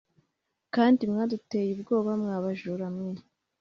kandi mwaduteye ubwoba mwabajuramwe